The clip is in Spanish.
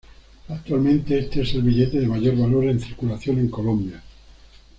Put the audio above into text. Actualmente, este es el billete de mayor valor en circulación en Colombia.